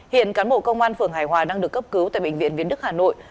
hiện cán bộ công an phường hải hòa đang được cấp cứu tại bệnh viện viễn đức hà nội